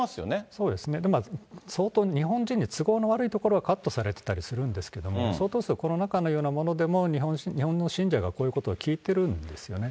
そうですね、相当、日本人に都合の悪いところはカットされてたりするんですけども、相当数、この中のようなものでも日本の信者がこういうことを聞いてるんですよね。